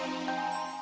sebut aja gitu outputs